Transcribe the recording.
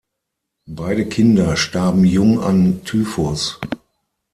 Beide Kinder starben jung an Typhus.